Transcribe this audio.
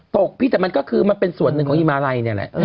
พี่แต่มันก็คือมันเป็นส่วนหนึ่งของฮิมาลัยเนี่ยแหละ